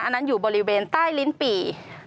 อันนั้นอยู่บริเวณใต้ลิ้นปี่